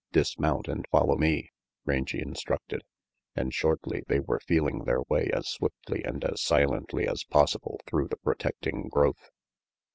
"Dismount and follow me," Rangy instructed; and shortly they were feeling their way as swiftly and as silently as possible through the protecting growth.